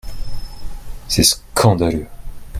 C’est scandaleux !